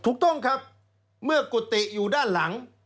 ถูกต้องครับเมื่อกุฏิอยู่ด้านหลัง